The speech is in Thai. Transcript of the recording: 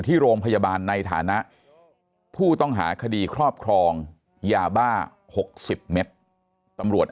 ที่โรงพยาบาลในฐานะผู้ต้องหาคดีครอบครองยาบ้า๖๐เมตรตำรวจ